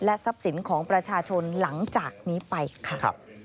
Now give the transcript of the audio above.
ทรัพย์สินของประชาชนหลังจากนี้ไปค่ะ